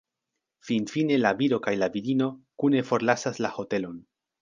Finfine la viro kaj la virino kune forlasas la hotelon.